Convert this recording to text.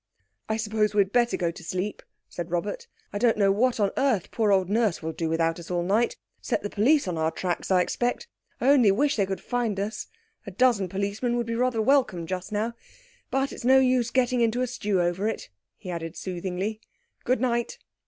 "I suppose we'd better go to sleep," said Robert. "I don't know what on earth poor old Nurse will do with us out all night; set the police on our tracks, I expect. I only wish they could find us! A dozen policemen would be rather welcome just now. But it's no use getting into a stew over it," he added soothingly. "Good night."